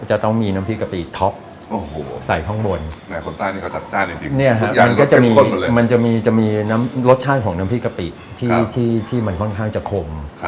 จะต้องมีน้ำพรีกะปิท็อปใส่ข้างบนคนต้านี่ก็จัดจ้านจริงมันก็จะมีรสชาติของน้ำพรีกะปิที่มันค่อนข้างจะคม